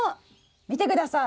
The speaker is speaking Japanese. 見てください！